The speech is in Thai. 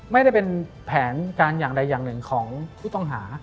ไม่ได้เป็นแผนการอย่างใดอย่างหนึ่งของผู้ต้องหา